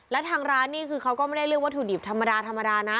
และทางร้านนี่คือเขาก็ไม่ได้เรียกวัตถุดิบธรรมดาธรรมดานะ